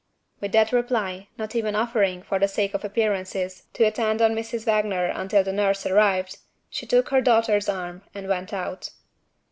With that reply not even offering, for the sake of appearances, to attend on Mrs. Wagner until the nurse arrived she took her daughter's arm, and went out.